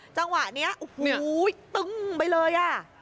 จังหวะนี้อุ้ยตึ้งไปเลย